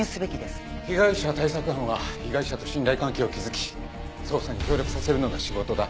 被害者対策班は被害者と信頼関係を築き捜査に協力させるのが仕事だ。